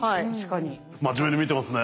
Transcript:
真面目に見てますね。